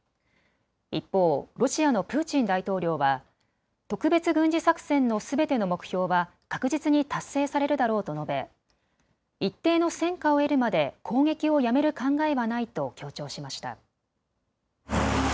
一方、ロシアのプーチン大統領は特別軍事作戦のすべての目標は確実に達成されるだろうと述べ、一定の戦果を得るまで攻撃をやめる考えはないと強調しました。